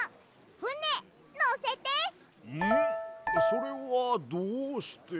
それはどうして。